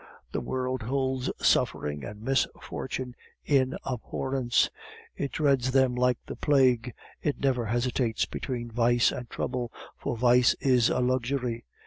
The world holds suffering and misfortune in abhorrence; it dreads them like the plague; it never hesitates between vice and trouble, for vice is a luxury.